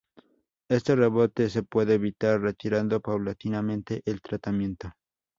Este rebote se puede evitar retirando paulatinamente el tratamiento.